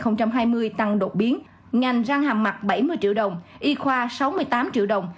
năm hai nghìn hai mươi tăng đột biến ngành răng hàm mặt bảy mươi triệu đồng y khoa sáu mươi tám triệu đồng